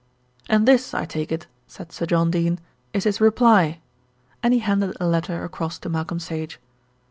"And this, I take it," said Sir John Dene, "is his reply," and he handed a letter across to Malcolm Sage.